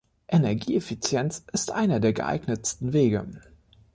Energieeffizienz ist einer der geeignetsten Wege.